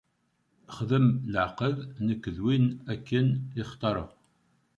Xedmeɣ leɛqed nekk d win akken i xtarɣ.